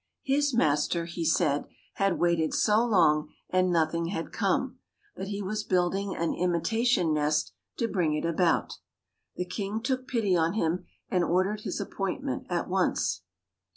His master, he said, had waited so long and nothing had come, that he was building an imitation nest to bring it about. The King took pity on him and ordered his appointment at once.